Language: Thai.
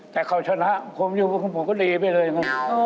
แต่ปากเขาก็สนิทเหมือนกันนะ